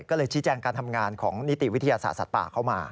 ก็เลยชี้แจงการทำงานของนิติวิทยาศาสตร์สัตว์ป่าเข้ามา